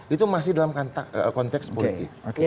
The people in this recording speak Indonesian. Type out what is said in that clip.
itu masih dalam konteks politik